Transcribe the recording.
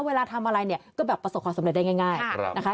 เวลาทำอะไรเนี่ยก็แบบประสบความสำเร็จได้ง่ายนะคะ